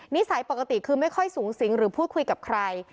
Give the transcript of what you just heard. สัยปกติคือไม่ค่อยสูงสิงหรือพูดคุยกับใคร